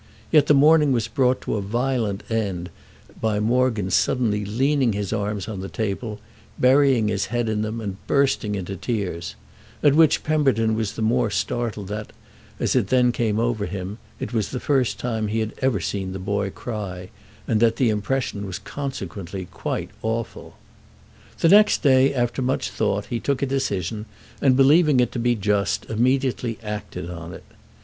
Yet the morning was brought to a violent as end by Morgan's suddenly leaning his arms on the table, burying his head in them and bursting into tears: at which Pemberton was the more startled that, as it then came over him, it was the first time he had ever seen the boy cry and that the impression was consequently quite awful. The next day, after much thought, he took a decision and, believing it to be just, immediately acted on it.